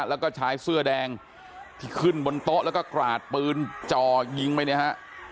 แล้วก็ชายเสื้อแดงที่ขึ้นบนโต๊ะแล้วก็กราดปืนจ่อยิงไปเนี่ยฮะ